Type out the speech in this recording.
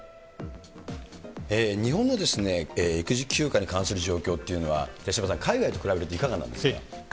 日本の育児休暇に関する状況っていうのは、手嶋さん、海外と比べるといかがなんですか。